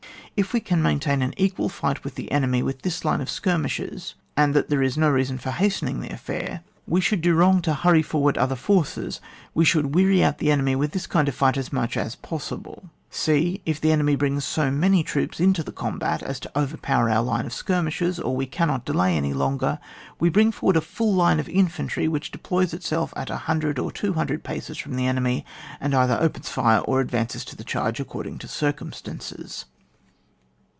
If we can maintain an equal fight with the enemy with this line of skirmishers, and that there is no reason for hastening the affair, we should do wrong to hurry forward other forces ; we should weary out the enemy with this kind of fight as much as possible. {e.) If the enemy brings so many troops into the combat as to overpower our line of skirmishers, or if we cannot delay any longer, we bring forward a full line of infantry, which deploys itself at 100 or 200 paces from the enemy, and either opens fire or advances to the charge, according to circumstances.